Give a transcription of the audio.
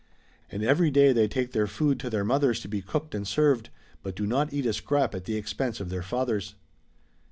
And every day they take their food to their mothers to be cooked and served, but do not eat a scrap at the expense of their fathers.